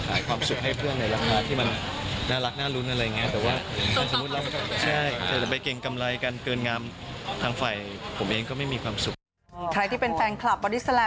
ถ้าเกิดว่าคุณอยากดูบัตรปลอมนะครับ